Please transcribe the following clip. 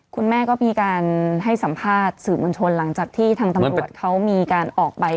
คุณแม่ก็มีการให้สัมภาษณ์สื่อมวลชนหลังจากที่ทางตำรวจเขามีการออกไป